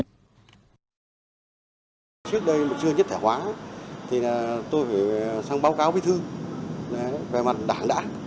trước đây một trưa nhất thẻ hóa tôi phải sang báo cáo bí thư về mặt đảng đã